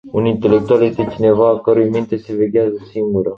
Un intelectual este cineva a cărui minte se veghează singură.